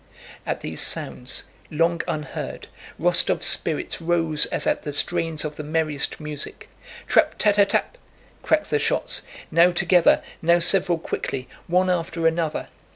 At these sounds, long unheard, Rostóv's spirits rose, as at the strains of the merriest music. Trap ta ta tap! cracked the shots, now together, now several quickly one after another.